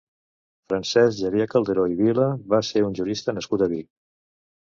Francesc Xavier Calderó i Vila va ser un jurista nascut a Vic.